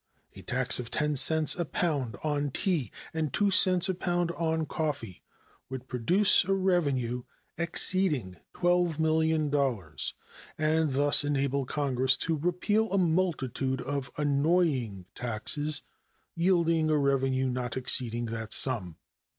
A tax of 10 cents a pound on tea and 2 cents a pound on coffee would produce a revenue exceeding $12,000,000, and thus enable Congress to repeal a multitude of annoying taxes yielding a revenue not exceeding that sum.